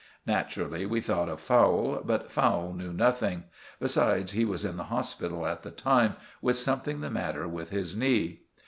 Naturally we thought of Fowle, but Fowle knew nothing; besides, he was in the hospital at the time with something the matter with his knee.